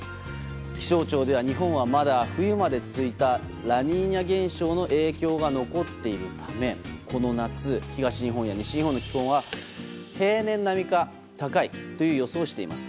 気象庁では日本はまだ冬まで続いたラニーニャ現象の影響が残っているためこの夏、東日本や西日本の気温は平年並みか高いという予想をしています。